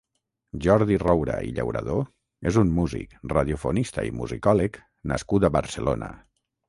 Jordi Roura i Llauradó és un músic, radiofonista i musicòleg nascut a Barcelona.